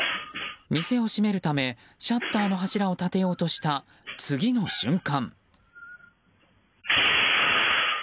店を閉めるためシャッターの柱を立てようとした次の瞬間。